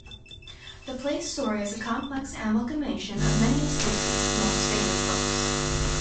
The play's story is a complex amalgamation of many of Seuss's most famous books.